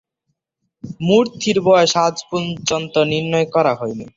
মূর্তিটির বয়স আজ পর্যন্ত নির্ণয় করা হয়নি।